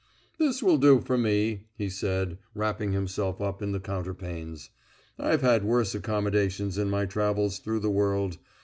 "This will do for me," he said, wrapping himself up in the counterpanes. "I've had worse accommodation in my travels through the world.